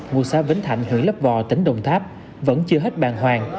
anh dương phúc lập vụ xã vến thạnh huyện lấp vò tỉnh đồng tháp vẫn chưa hết bàn hoàng